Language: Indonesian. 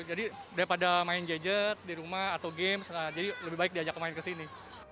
jadi daripada main gadget di rumah atau games jadi lebih baik diajak pemain kesini